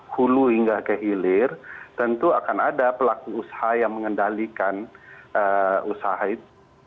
hulu hingga kehilir tentu akan ada pelaku usaha yang mengendalikan usaha itu